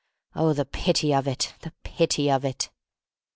Oh, the pity of itl the pity of it!